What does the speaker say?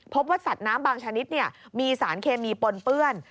พบว่าสัตว์น้ำบางชนิดมีสารเคมีปนเปื้อน